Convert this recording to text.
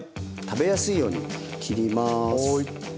食べやすいように切ります。